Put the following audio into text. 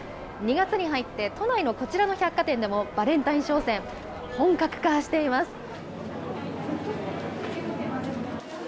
２月に入って、都内のこちらの百貨店でもバレンタイン商戦、本格化しています。